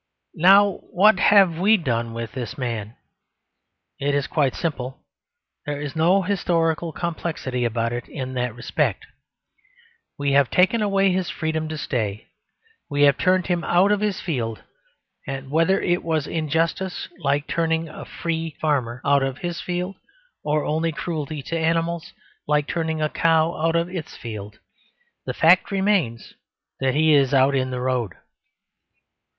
Now what have we done with this man? It is quite simple. There is no historical complexity about it in that respect. We have taken away his freedom to stay. We have turned him out of his field, and whether it was injustice, like turning a free farmer out of his field, or only cruelty to animals, like turning a cow out of its field, the fact remains that he is out in the road.